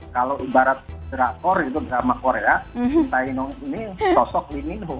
kalau ibarat draktor itu bersama korea cintayong ini sosok lee minho